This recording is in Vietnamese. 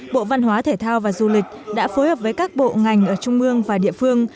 bộ văn hóa thể thao và du lịch đã phối hợp với các bộ ngành ở trung mương và địa phương